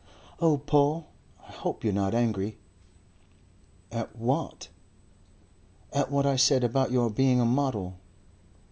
"Oh, Paul, I hope you're not angry." "At what?" "At what I said about your being a model."